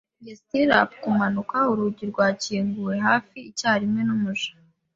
njye stirrup kumanuka. Urugi rwakinguwe hafi icyarimwe numuja.